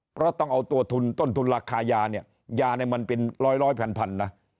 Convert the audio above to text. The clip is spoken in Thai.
เพราะต้องเอาตัวทุนต้นทุนราคายาเนี่ยยาเนี่ยมันเป็นร้อยพันนะ